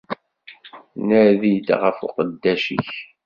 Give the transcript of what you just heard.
Nadi-d ɣef uqeddac-ik.